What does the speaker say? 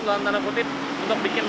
dalam tanda kutip untuk bikin